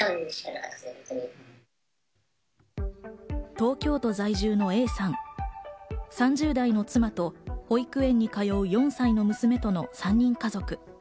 東京都在住のＡさん、３０代の妻と保育園に通う４歳の娘との３人家族。